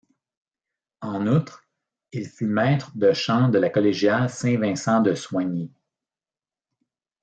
En outre, il fut maître de chant de la collégiale Saint-Vincent de Soignies.